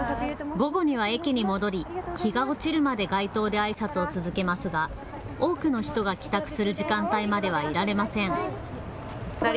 午後には駅に戻り日が落ちるまで街頭であいさつを続けますが、多くの人が帰宅する時間帯まではいられません。